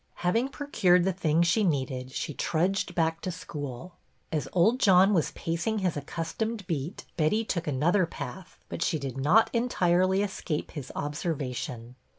Having procured the things she needed she trudged back to school. As old John was pacing his accustomed beat Betty took another path ; but she did not entirely escape his observation.